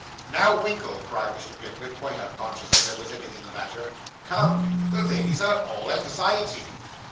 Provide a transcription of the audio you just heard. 'Now, Winkle,' cried Mr. Pickwick, quite unconscious that there was anything the matter. 'Come; the ladies are all anxiety.